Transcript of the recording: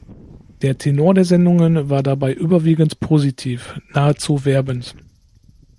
Der Tenor der Sendungen war dabei überwiegend positiv, nahezu werbend.